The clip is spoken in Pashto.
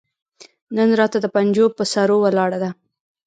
نن راته د پنجو پهٔ سرو ولاړه ده